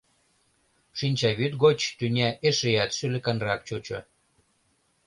Шинчавӱд гоч тӱня эшеат шӱлыканрак чучо.